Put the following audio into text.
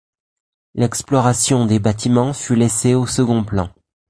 L'exploration des bâtiments fut laissée au second plan.